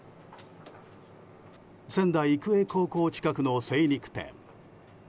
仙台育英高校近くの精肉店。